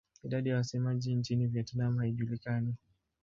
Idadi ya wasemaji nchini Vietnam haijulikani.